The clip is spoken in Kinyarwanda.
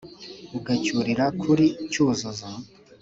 ugacyurira kuri « cyuzuzo »